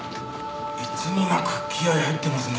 いつになく気合入ってますね。